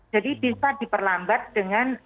jadi bisa diperlambat dengan